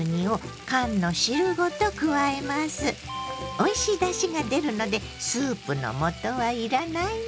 おいしいだしが出るのでスープの素はいらないの。